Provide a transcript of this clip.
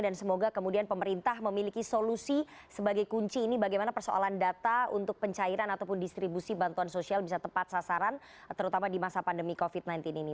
dan semoga kemudian pemerintah memiliki solusi sebagai kunci ini bagaimana persoalan data untuk pencairan ataupun distribusi bantuan sosial bisa tepat sasaran terutama di masa pandemi covid sembilan belas ini